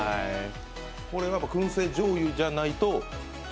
くん製じょうゆじゃないと？